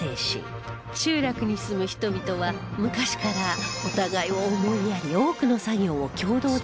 集落に住む人々は昔からお互いを思いやり